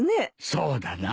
そうだな。